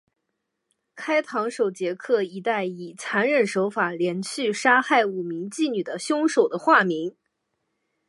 开膛手杰克一带以残忍手法连续杀害五名妓女的凶手的化名。